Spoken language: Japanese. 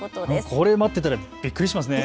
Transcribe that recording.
これ待ってたらびっくりしますね。